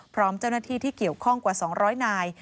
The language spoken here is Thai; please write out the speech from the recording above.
พร้อมเจ้าหน้าที่ที่เกี่ยวข้องกว่า๒๐๐นาย